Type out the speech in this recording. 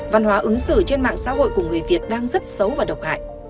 văn hóa ứng xử trên mạng xã hội của người việt đang rất xấu và độc hại